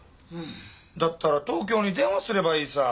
だったら東京に電話すればいいさぁ。